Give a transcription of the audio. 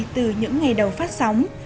từ những ngày đầu phát sóng